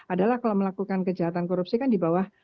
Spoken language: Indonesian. adalah kalau melakukan kejahatan korupsi kan di bawah